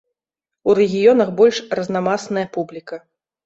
У рэгіёнах больш разнамасная публіка.